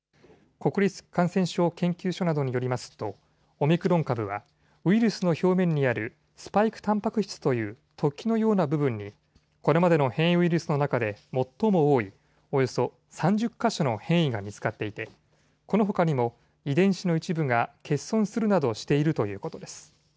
国立感染症研究所などによりますとオミクロン株はウイルスの表面にあるスパイクたんぱく質という突起のような部分にこれまでの変異ウイルスの中で最も多い、およそ３０か所の変異が見つかっていてこのほかにも遺伝子の一部が欠損するなどしているということです。